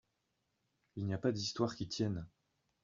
Il n’y a pas d’histoire qui tienne